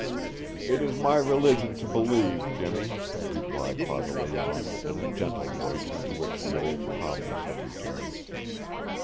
"It is my religion to believe, Jimmy," replied Father Layonne in a gentle voice into which the old calmness had returned.